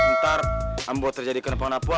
ntar ambo terjadi kenepang napu